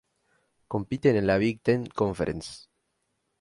Compiten en la Big Ten Conference.